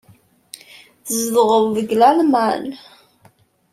Tzedɣeḍ deg Lalman?